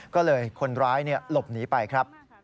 ก็เลยคนร้ายหลบหนีไปครับ